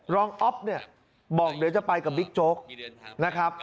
รองอ๊อฟเนี่ยบอกเดี๋ยวจะไปกับบิ๊กโจ๊กนะครับ